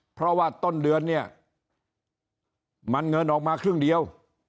เพราะว่าต้นเดือนเนี่ยมันเงินออกมาครึ่งเดียว